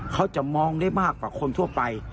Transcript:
เขาจะมองได้มากกว่าคนทั่วไป